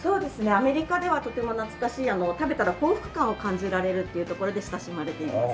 アメリカではとても懐かしい食べたら幸福感を感じられるっていうところで親しまれています。